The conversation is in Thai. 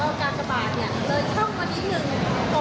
การระบาดเนี่ยเลยช่องมานิดนึง